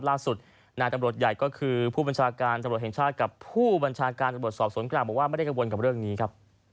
ล่าสุดนายตำรวจใหญ่ก็คือผู้บัญชาการตำรวจแห่งชาติกับผู้บัญชาการตำรวจสอบสวนกลางบอกว่าไม่ได้กังวลกับเรื่องนี้ครับ